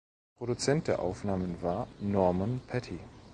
Produzent der Aufnahmen war Norman Petty.